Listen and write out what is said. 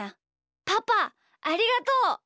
パパありがとう。